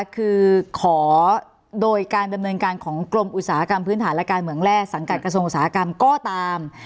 คือขอโดยการดำเนินการของกรมอุตสาหกรรมพื้นฐานและการเมืองแรกสังกัดกระทรวงอุตสาหกรรมก็ตาม